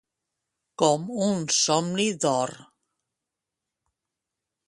Com un somni d'or.